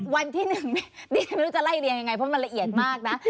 วันที่๑ดิฉันไม่รู้จะไล่เรียงยังไงเพราะมันละเอียดมากนะ